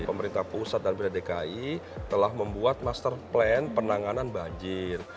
pemerintah pusat dan pemerintah dki telah membuat master plan penanganan banjir